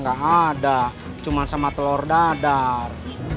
nggak ada cuma sama telur dadar